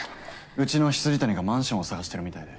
うちの未谷がマンションを探してるみたいで。